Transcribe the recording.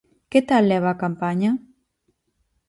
Que tal leva a campaña?